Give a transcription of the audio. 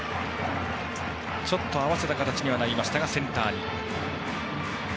ちょっと合わせた形にはなりましたがセンターへ。